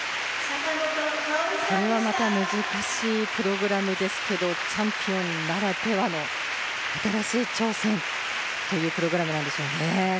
これはまた難しいプログラムですけどチャンピオンならではの新しい挑戦というプログラムなんでしょうね